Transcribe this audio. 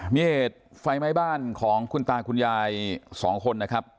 มีเหตุไฟไหม้บ้านของคุณตาคุณยาย๒คนนะครับ